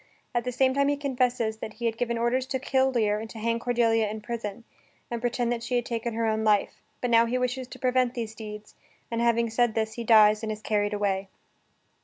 At the same time he confesses that he had given orders to kill Lear and to hang Cordelia in prison, and pretend that she had taken her own life; but now he wishes to prevent these deeds, and having said this he dies, and is carried away.